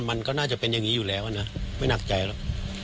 มันก็น่าจะเป็นอย่างนี้อยู่แล้วนะไม่หนักใจหรอก